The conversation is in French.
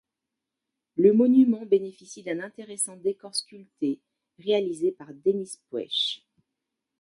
Le monument bénéficie d'un intéressant décor sculpté réalisé par Denys Puech.